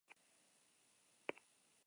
Karga positiboa du, eta katioia da.